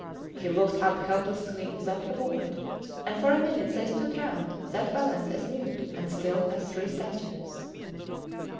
He looked up helplessly without a word, and for a minute they stood round that balance as mute and still as three statues.